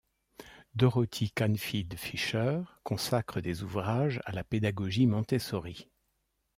Dorothy Canfield Fisher consacre des ouvrages à la pédagogie Montessori.